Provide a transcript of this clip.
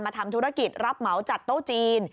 ทำธุรกิจรับเหมาจัดโต๊ะจีน